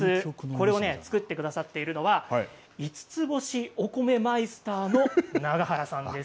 これを作ってくださっているのは五ツ星お米マイスターの永原さんです。